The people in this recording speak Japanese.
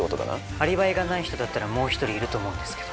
アリバイがない人だったらもう一人いると思うんですけど。